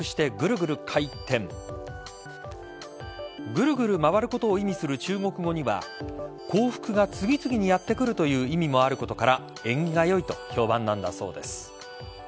ぐるぐる回ることを意味する中国語には幸福が次々にやってくるという意味もあることから縁起が良いと評判なんだそうです。